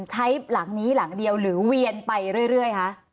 ใช้หลังนี้หลังเดียวหรือเวียนไปเรื่อยคะ